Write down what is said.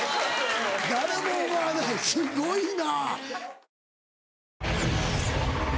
誰も思わないすごいな。